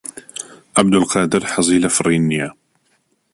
عەبدولقادر حەزی لە فڕین نییە.